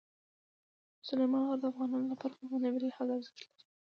سلیمان غر د افغانانو لپاره په معنوي لحاظ ارزښت لري.